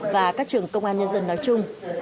và các trường công an nhân dân nói chung